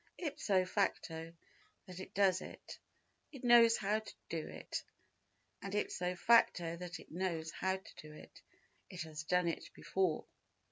Ipso facto that it does it, it knows how to do it, and ipso facto that it knows how to do it, it has done it before.